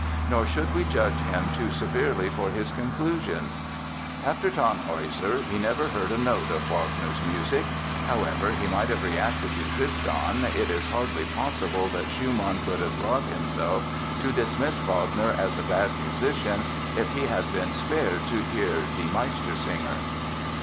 Nor should we judge him too severely for his conclusions. After "Tannhäuser" he never heard a note of Wagner's music. However he might have reacted to "Tristan" it is hardly possible that Schumann could have brought himself to dismiss Wagner as a "bad musician" if he had been spared to hear "Die Meistersinger"!